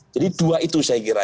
jadi dua itu saya kira